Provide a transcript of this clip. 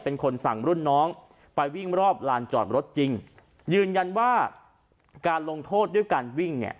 เป็นคนสั่งรุ่นน้องไปวิ่งรอบลานจอดรถจริงยืนยันว่าการลงโทษด้วยการวิ่งเนี่ย